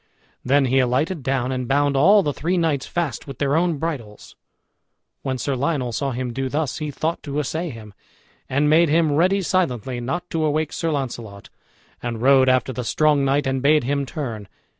Then he alighted down and bound all the three knights fast with their own bridles. When Sir Lionel saw him do thus, he thought to assay him, and made him ready silently, not to awake Sir Launcelot, and rode after the strong knight, and bade him turn.